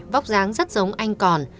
vóc dáng rất giống anh còn